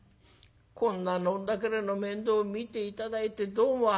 こんな飲んだくれの面倒見て頂いてどうもありがとうございます。